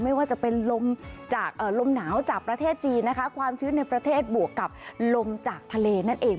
ไม่ว่าจะเป็นลมจากลมหนาวจากประเทศจีนนะคะความชื้นในประเทศบวกกับลมจากทะเลนั่นเอง